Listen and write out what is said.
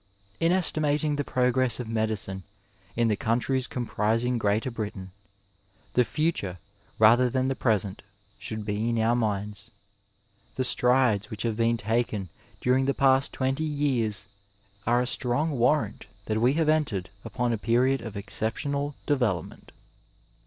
In estimating the progress of medicine in the countries comprising Greater Britain, the future rather than the 194 Digitized by VjOOQiC BRITLSH MEDICINE IN GREATER BRITAIN present should be in our minds. The strides which have been taken during the past twenty years are a strong warrant that we have entered upon a period of excep tional development.